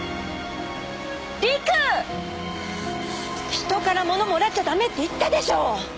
人から物もらっちゃダメって言ったでしょ！